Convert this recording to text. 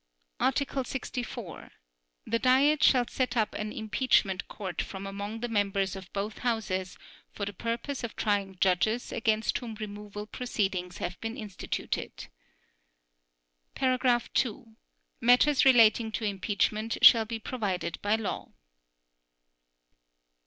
Article 64. The Diet shall set up an impeachment court from among the members of both Houses for the purpose of trying judges against whom removal proceedings have been instituted. (2) Matters relating to impeachment shall be provided by law.